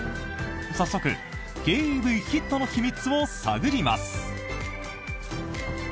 早速、軽ＥＶヒットの秘密を探ります。